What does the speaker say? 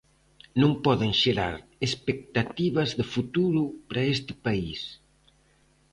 Non poden xerar expectativas de futuro para este país.